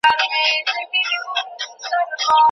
له ښوونکي له ملا مي اورېدله